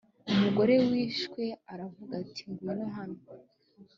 mugore wishwe aravuga ati ngwino hano